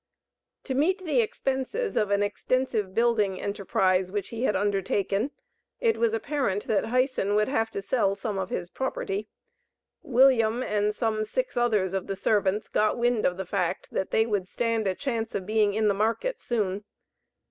To meet the expenses of an extensive building enterprise which he had undertaken, it was apparent that Hyson would have to sell some of his property. William and some six others of the servants got wind of the fact that they would stand a chance of being in the market soon.